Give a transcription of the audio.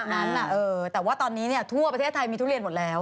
อย่างนั้นอ่ะเนี่ยแต่ว่าตอนนี้เนี่ยทั่วประเทศไทยทุเรียนหมดแล้ว